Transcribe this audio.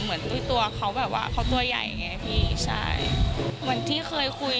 เหมือนตัวเขาแบบว่าเขาตัวใหญ่ไงพี่ใช่เหมือนที่เคยคุย